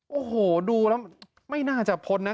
โอ้โหดูแล้วไม่น่าจะพ้นนะ